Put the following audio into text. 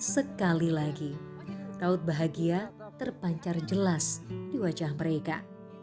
sekali lagi raut bahagia terpancar jelas di wajah mereka